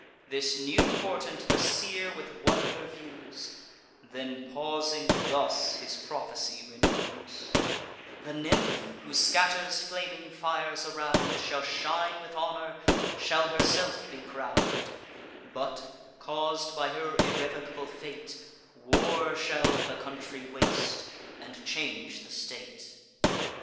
This new portent the seer with wonder views, Then pausing, thus his prophecy renews: "The nymph, who scatters flaming fires around, Shall shine with honour, shall herself be crown'd; But, caus'd by her irrevocable fate, War shall the country waste, and change the state."